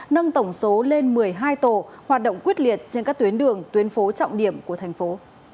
nâng tổng số lên một mươi hai tổ hoạt động quyết liệt trên các tuyến đường tuyến phố trọng điểm của thành phố